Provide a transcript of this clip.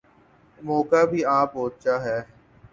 موقع بھی آن پہنچا ہے۔